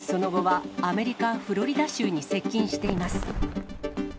その後はアメリカ・フロリダ州に接近しています。